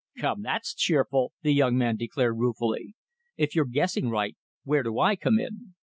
"Come, that's cheerful," the young man declared ruefully. "If you're guessing right, where do I come in?"